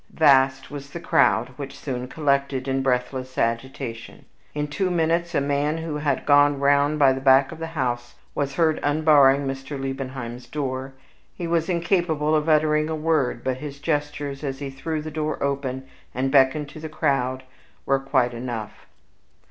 Vast was the crowd which soon collected in breathless agitation. In two minutes a man who had gone round by the back of the house was heard unbarring Mr. Liebenheim's door: he was incapable of uttering a word; but his gestures, as he threw the door open and beckoned to the crowd, were quite enough.